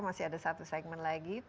masih ada satu segmen lagi